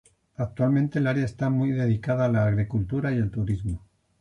Actualmente el área está dedicada a la agricultura y al turismo.